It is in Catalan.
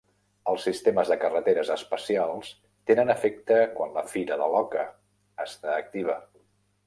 Els sistemes de carreteres especials tenen efecte quan la Fira de l'Oca està activa.